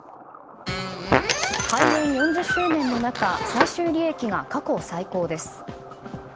開園４０周年の中、最終利益が過去最高です。